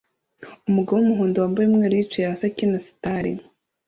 Umugabo wumuhondo wambaye umweru yicaye hasi akina sitar